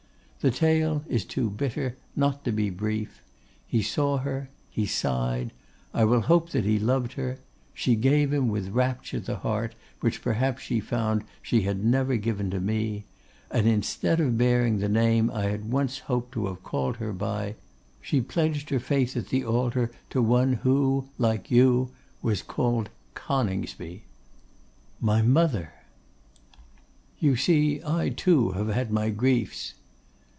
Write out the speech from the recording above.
The tale is too bitter not to be brief. He saw her, he sighed; I will hope that he loved her; she gave him with rapture the heart which perhaps she found she had never given to me; and instead of bearing the name I had once hoped to have called her by, she pledged her faith at the altar to one who, like you, was called, CONINGSBY.' 'My mother!' 'You see, I too have had my griefs.